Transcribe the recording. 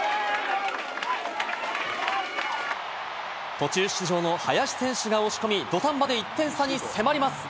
途中出場の林選手が押し込み、土壇場で１点差に迫ります。